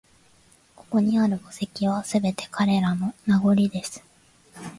ここにある墓石は、すべて彼らの…名残です